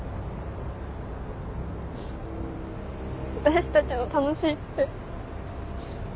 私たちの「楽しい」って。